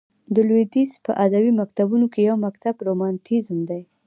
د لوېدیځ په ادبي مکتبونو کښي یو مکتب رومانتیزم دئ.